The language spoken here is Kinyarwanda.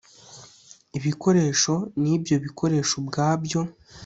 ibikoresho n’ibyo bikoresho ubwabyo